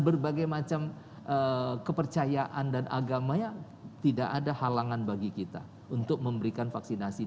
berbagai macam kepercayaan dan agamanya tidak ada halangan bagi kita untuk memberikan vaksinasi